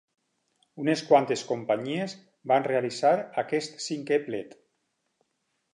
Unes quantes companyies van realitzar aquest cinquè plet.